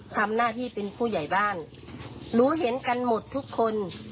ทำหน้าที่เป็นผู้ใหญ่บ้านรู้เห็นกันหมดทุกคน